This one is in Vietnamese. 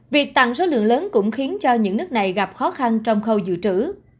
việc tăng số lượng lớn cũng khiến cho những nước này gặp khó khăn trong khâu dự trữ